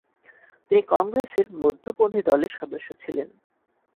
তিনি কংগ্রেসের মধ্যপন্থি দলের সদস্য ছিলেন।